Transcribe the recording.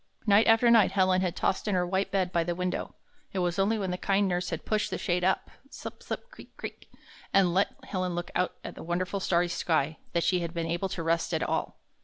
Night after night Helen had tossed in her white bed by the window. It was only when the kind nurse had pushed the shade up— slip, slip, creak, creak, — and let Helen look out at the wonderful starry sky, that she had been able to rest at all.